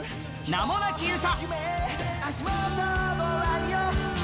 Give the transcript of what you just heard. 「名もなき詩」。